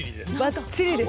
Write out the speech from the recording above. ばっちりですよ。